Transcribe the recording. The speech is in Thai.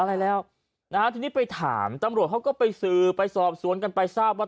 อะไรแล้วนะฮะทีนี้ไปถามตำรวจเขาก็ไปสื่อไปสอบสวนกันไปทราบว่า